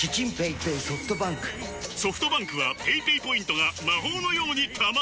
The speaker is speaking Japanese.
ソフトバンクはペイペイポイントが魔法のように貯まる！